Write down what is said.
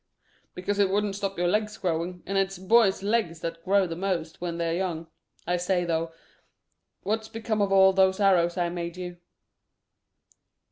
"Because it wouldn't stop your legs growing, and it's boys' legs that grow the most when they're young. I say, though, what's become of all those arrows I made you?"